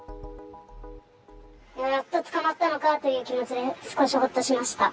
やっと捕まったのかっていう気持ちで、少しほっとしました。